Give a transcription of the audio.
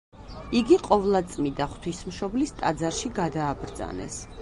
იგი ყოვლადწმიდა ღვთისმშობლის ტაძარში გადააბრძანეს.